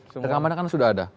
tegangan mana kan sudah ada